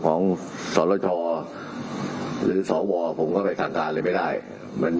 มีศาสตราจารย์พิเศษวิชามหาคุณเป็นประเทศด้านกรวมความวิทยาลัยธรม